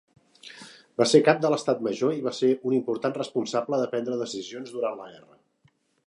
Va ser Cap de l'Estat Major i va ser un important responsable de prendre decisions durant la guerra.